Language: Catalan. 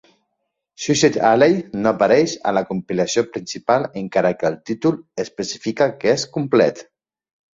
"Suicide Alley" no apareix a la compilació principal encara que el títol especifica que és "complet".